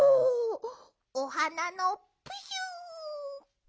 おはなのプシュ。